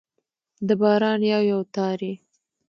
د باران یو، یو تار يې